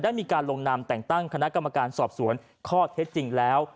มีการลงนามแต่งตั้งคณะกรรมการสอบสวนข้อเท็จจริงแล้ว